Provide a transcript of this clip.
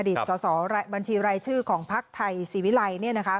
อดีตต่อสอบัญชีรายชื่อของภักดิ์ไทยสิวิไลเนี่ยนะคะ